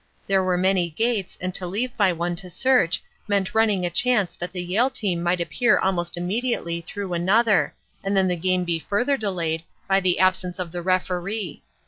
There were many gates and to leave by one to search meant running a chance that the Yale team might appear almost immediately through another and then the game be further delayed by the absence of the Referee.